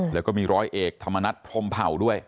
แล้วก็มีร้อยเอกธรรมนัฐพรมเผ่าด้วย